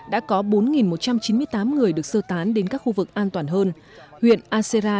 đã có bốn một trăm chín mươi tám người được sơ tán đến các tỉnh trên đảo sulawesi